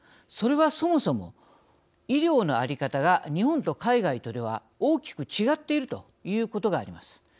それはそもそも医療の在り方が日本と海外とでは大きく違っているということがあります。